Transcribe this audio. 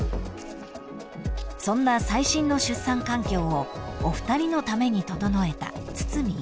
［そんな最新の出産環境をお二人のために整えた堤医師］